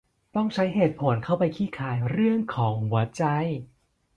ต้องใช้เหตุผลเข้าไปคลี่คลายเรื่องของหัวใจ